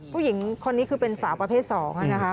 ผู้หญิงคนนี้คือเป็นสาวประเภท๒นะคะ